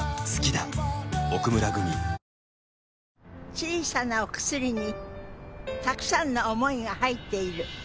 小さなお薬にたくさんの想いが入っている。